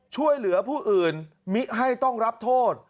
ช่วยเหลือผู้อื่นมิให้ต้องรับโทษ